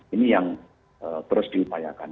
ini yang terus diupayakan